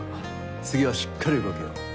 次はしっかり動けよ。